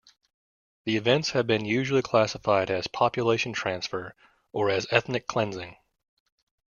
The events have been usually classified as population transfer or as ethnic cleansing.